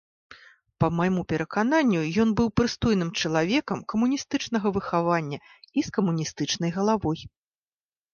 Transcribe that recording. Па майму перакананню, ён быў прыстойным чалавекам камуністычнага выхавання і з камуністычнай галавой.